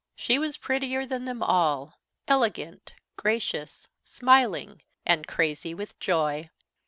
She was prettier than them all, elegant, gracious, smiling, and crazy with joy.